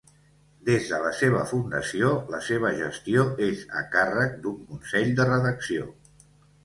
Des de la seva fundació, la seva gestió és a càrrec d’un consell de redacció.